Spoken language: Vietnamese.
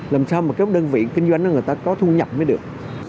làm sao mà các đơn vị kinh doanh đó người ta có thu nhập mới được